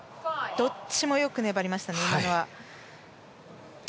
どっちもよく粘りました。